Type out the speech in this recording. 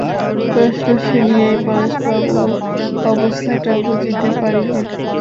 প্রশ্ন শুনিয়াই পরেশবাবু অবস্থাটা বুঝিতে পারিলেন।